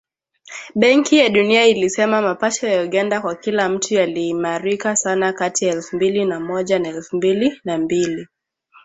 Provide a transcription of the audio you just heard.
Benki ya Dunia ilisema mapato ya Uganda kwa kila mtu yaliimarika sana kati ya elfu mbili na moja na elfu mbili na mbili